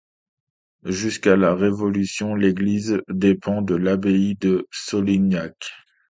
Jusqu'à la Révolution, l'église dépend de l'abbaye de Solignac.